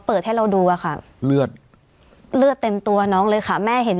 เปิดให้เราดูอะค่ะเลือดเลือดเต็มตัวน้องเลยค่ะแม่เห็น